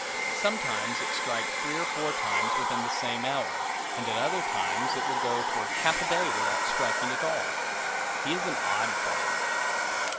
Sometimes it strikes three or four times within the same hour, and at other times it will go for half a day without striking at all. He is an odd old fellow!